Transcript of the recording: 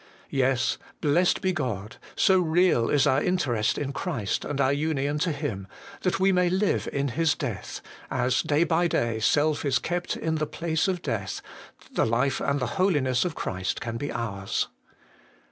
Yes, blessed be God, so real is our interest in Christ and our union to Him, that we may live in His death ; as day by day self is kept in the place of death, the life and fhe holiness of Christ can be ours.